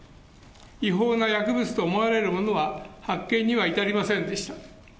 違法な薬物と思われるものは発見には至りませんでした。